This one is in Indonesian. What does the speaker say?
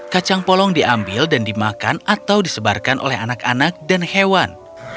kacang polong diambil dan dimakan atau disebarkan oleh anak anak dan hewan